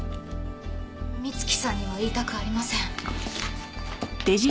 美月さんには言いたくありません。